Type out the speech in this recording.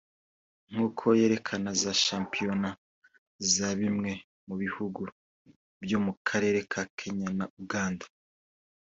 nk’uko yerekana za shampiyona za bimwe mu bihugu byo mu karere nka Kenya na Uganda